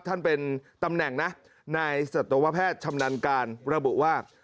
ท่านเป็นตำแหน่งนะนายศัตรวะแพทย์ชำนันการระบุว่า